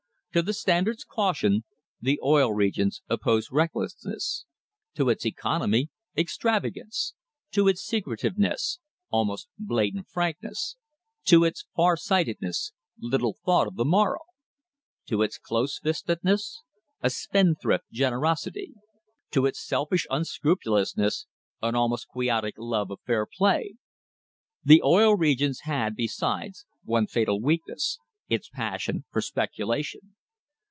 To the Standard's caution the Oil Regions opposed recklessness ; to its economy, extrava [ 2 53] THE HISTORY OF THE STANDARD OIL COMPANY gancc; to its secretiveness, almost blatant frankness; to its far sightedness, little thought of the morrow; to its close fistedness, a spendthrift generosity; to its selfish unscrupulous ness, an almost quixotic love of fair play. The Oil Regions had, besides, one fatal weakness its passion for speculation.